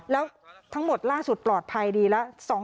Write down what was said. แล้วทั้งหมดล่าสุดปลอดภัยดีแล้ว